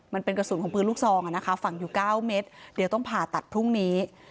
มันเป็นกระสุนของปืนลูกซองฝังอยู่๙เมตรเดี๋ยวต้องผ่าตัดพรุ่งนี้